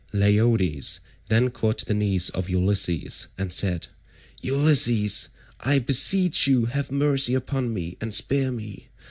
Leiodes then caught the knees of Ulysses and said, "Ulysses I beseech you have mercy upon me and spare me.